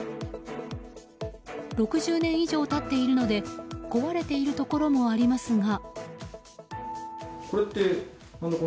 ６０年以上経っているので壊れているところもありますが。